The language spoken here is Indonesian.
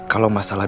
mak emang ke rumah